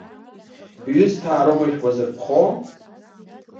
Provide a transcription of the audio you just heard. Ҩысҭаароума ишәгәазырԥхо?!